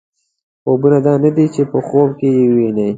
خوبونه دا نه دي چې په خوب کې یې وینئ.